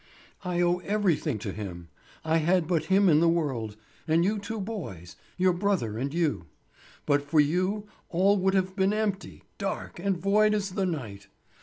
I owe everything to him! I had but him in the world, and you two boys, your brother and you. But for you, all would have been empty, dark, and void as the night.